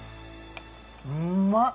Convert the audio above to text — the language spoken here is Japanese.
うんまっ！